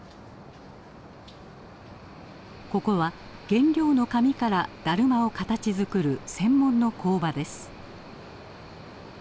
ここは原料の紙からだるまを形づくる専門の工場です。